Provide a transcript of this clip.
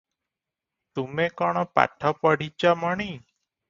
ତୁମେ କଣ ପାଠ ପଢ଼ି ଚ ମଣି?